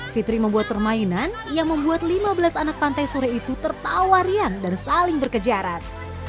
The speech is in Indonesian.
fitri membuat permainan yang membuat lima belas anak pantai sore itu tertawarian dan saling berkejaran